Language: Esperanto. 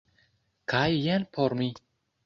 kaj jen por mi.